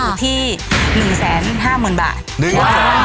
อยู่ที่๑๐๐๐๐๐๐บาท๑๕๐๐บาท